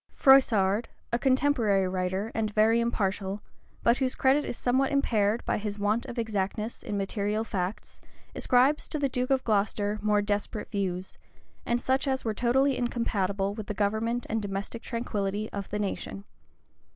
Froissard,[] a contemporary writer, and very impartial, but whose credit is somewhat impaired by his want of exactness in material facts, ascribes to the duke of Glocester more desperate views, and such as were totally incompatible with the government and domestic tranquillity of the nation.